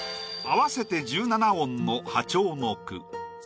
合わせて１７音の破調の句。